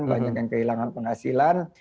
banyak yang kehilangan penghasilan